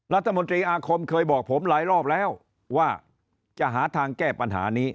รัฐมนตรีอาคมเคยบอกผมหลายรอบแล้วว่าจะหาทางแก้ปัญหานี้